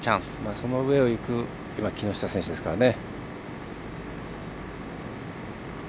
その上をいく今、木下選手ですからね。